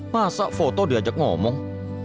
masa foto diajak ngomong